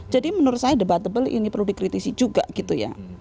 jadi menurut saya debatable ini perlu dikritisi juga gitu ya